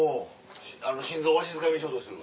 心臓わしづかみにしようとする。